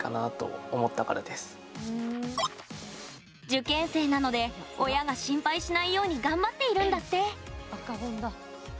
受験生なので親が心配しないように頑張っているんだって。